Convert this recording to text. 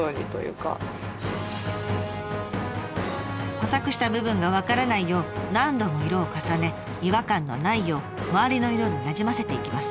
補作した部分が分からないよう何度も色を重ね違和感のないよう周りの色になじませていきます。